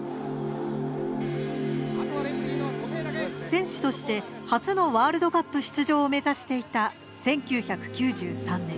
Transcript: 選手として初のワールドカップ出場を目指していた１９９３年。